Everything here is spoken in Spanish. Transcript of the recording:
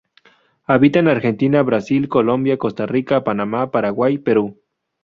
Habita en Argentina, Brasil, Colombia, Costa Rica, Panamá, Paraguay, Perú.